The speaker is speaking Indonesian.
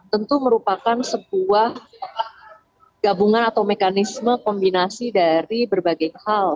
tentu merupakan sebuah gabungan atau mekanisme kombinasi dari berbagai hal